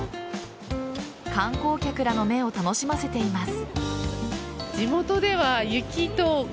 観光客らの目を楽しませています。